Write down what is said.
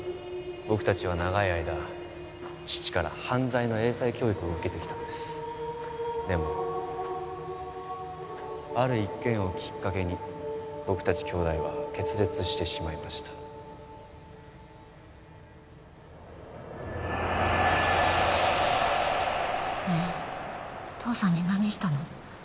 僕達は長い間父から犯罪の英才教育を受けてきたんですでもある一件をきっかけに僕達姉弟は決裂してしまいましたねえ父さんに何したの？